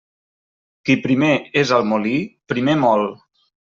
Qui primer és al molí, primer mol.